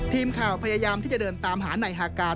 ทีมข่าวพยายามที่จะเดินตามหานายฮาการ